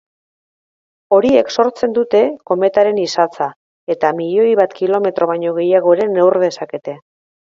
Horiek sortzen dute kometaren isatsa, eta milioi bat kilometro baino gehiago ere neur dezakete.